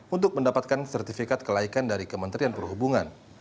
untuk mendapatkan sertifikat kelaikan dari kementerian perhubungan